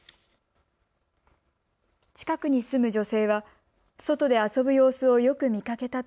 近くに住む女性は外で遊ぶ様子をよく見かけたと